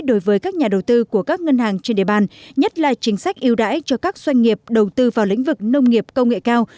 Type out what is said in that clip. đối với các nhà đầu tư của các ngân hàng trên địa bàn nhất là chính sách yêu đãi cho các doanh nghiệp đầu tư vào lĩnh vực nông nghiệp công nghệ cao